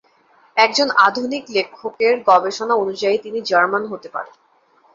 একজন আধুনিক লেখকের গবেষণা অনুযায়ী তিনি জার্মান হতে পারেন।